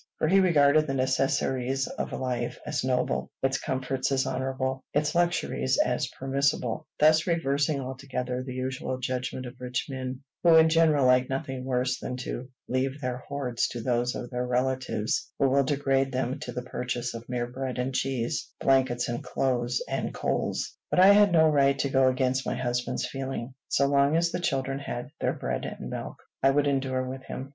For he regarded the necessaries of life as noble, its comforts as honorable, its luxuries as permissible, thus reversing altogether the usual judgment of rich men, who in general like nothing worse than to leave their hoards to those of their relatives who will degrade them to the purchase of mere bread and cheese, blankets and clothes and coals. But I had no right to go against my husband's feeling. So long as the children had their bread and milk, I would endure with him.